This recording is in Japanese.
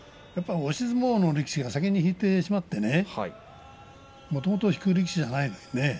押し相撲の力士が先に引いてしまってもともと引く力士じゃないからね。